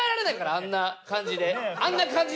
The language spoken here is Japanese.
あんな感じで。